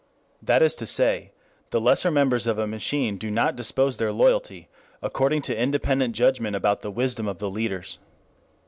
That is to say the lesser members of a machine do not dispose their loyalty according to independent judgment about the wisdom of the leaders.